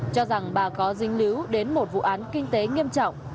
cho rằng bà có dính lứu đến một vụ án kinh tế nghiêm trọng